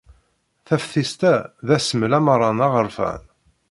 Taftist-a d asmel amerran aɣerfan.